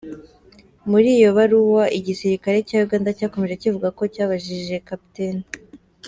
Muri iyo baruwa, igisirikare cya Uganda cyakomeje kivuga ko cyabajije Capt.